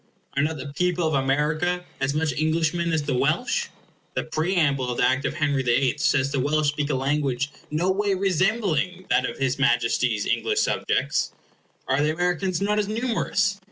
Are not the people of America as much Englishmen as the Welsh? The preamble of the Act of Henry the Eighth says the Welsh speak a language no way resembling that of his Majesty's English subjects. Are the Americans not as numerous?